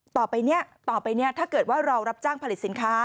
ต่อไปนี้ถ้าเกิดว่ารับจ้างผลิตสินค้า